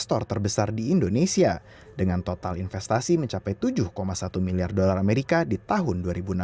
investor terbesar di indonesia dengan total investasi mencapai tujuh satu miliar dolar amerika di tahun dua ribu enam belas